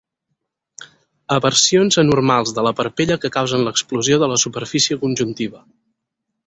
Eversions anormals de la parpella que causen l'exposició de la superfície conjuntiva.